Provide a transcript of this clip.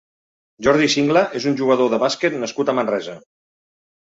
Jordi Singla és un jugador de bàsquet nascut a Manresa.